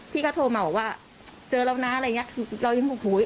พี่ก็โทรมาบอกว่าเจอเรานะอะไรอย่างเงี้ยเรายังโอ้โห